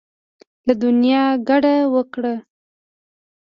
له دنیا کډه وکړه.